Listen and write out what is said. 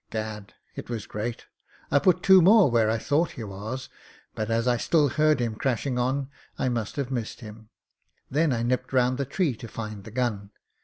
Gadl It was great. I put two more where I thought he was, but as I still heard him crashing on I must have missed him. Then I nipped round the tree to find the gun.